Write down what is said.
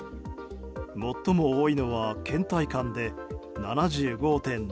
最も多いのは倦怠感で７５．７％。